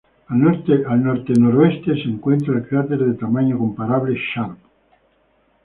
Al norte-noreste se encuentra el cráter de tamaño comparable Sharp.